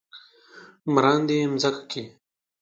مراندې يې مځکه کې ،